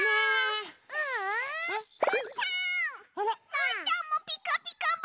うーたんも「ピカピカブ！」